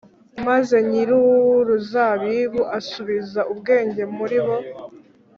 maze nyir’uruzabibu asubiza umwe muri bo